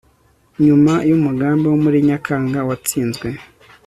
nyuma y'umugambi wo muri nyakanga watsinzwe